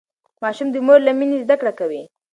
ماشوم د مور له مينې زده کړه کوي.